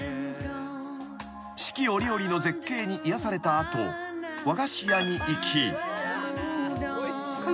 ［四季折々の絶景に癒やされた後和菓子屋に行き］